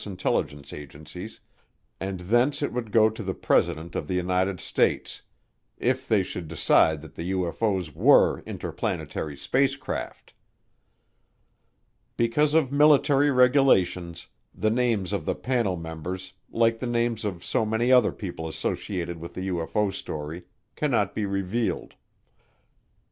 intelligence agencies, and thence it would go to the President of the United States if they should decide that the UFO's were interplanetary spacecraft. Because of military regulations, the names of the panel members, like the names of so many other people associated with the UFO story, cannot be revealed.